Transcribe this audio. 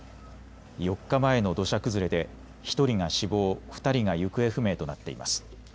４日前の土砂崩れで１人が死亡、２人が行方不明となっています。